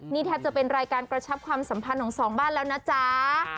นี่แทบจะเป็นรายการกระชับความสัมพันธ์ของสองบ้านแล้วนะจ๊ะ